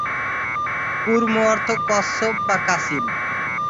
কূর্ম অর্থ কচ্ছপ বা কাছিম।